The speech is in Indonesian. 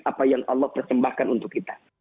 apa yang allah persembahkan untuk kita